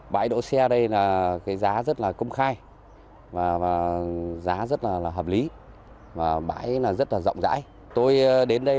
bãi đỗ xe đây là cái giá rất là công khai và giá rất là hợp lý và bãi rất là rộng rãi tôi đến đây